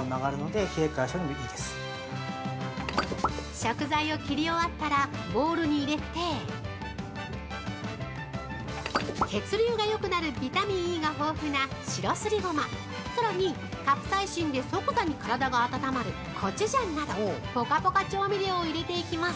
◆食材を切り終わったらボウルに入れて血流が良くなるビタミンＥが豊富な白すりゴマ、さらに、カプサイシンで即座に体が温まるコチュジャンなどぽかぽか調味料を入れていきます。